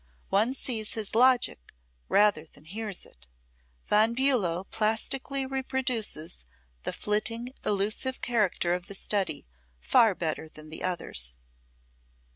One sees his logic rather than hears it. Von Bulow plastically reproduces the flitting, elusive character of the study far better than the others.